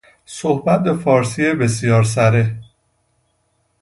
صحبت به فارسی بسیار سره